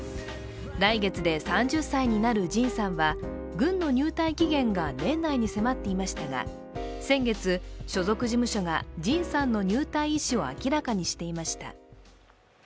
来月で３０歳になるＪＩＮさんは軍の入隊期限が年内に迫っていましたが、先月、所属事務所がＪＩＮさんの入隊意思を明らかにしていました。